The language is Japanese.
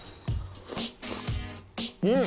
うん！